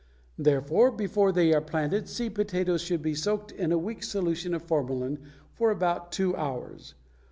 Therefore before they are planted, seed potatoes should be soaked in a weak solution of formalin for about two hours.